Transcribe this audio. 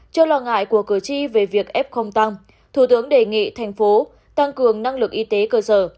trong lo ngại của cử tri về việc ép không tăng thủ tướng đề nghị thành phố tăng cường năng lực y tế cơ sở